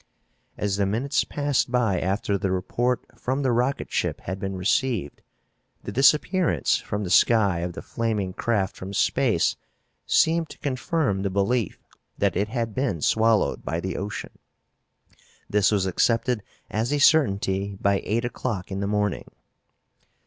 As the minutes passed by after the report from the rocket ship had been received, the disappearance from the sky of the flaming craft from space seemed to confirm the belief that it had been swallowed by the ocean. This was accepted as a certainty by eight o'clock in the morning.